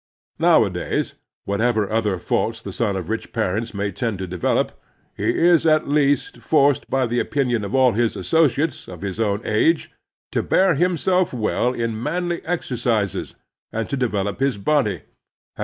Nowadays, whatever other fatdts the son of rich parents may tend to develop, he is at least forced by the opinion of all his associates of his own age to bear himself well in (' manly exercises and to develop his body — and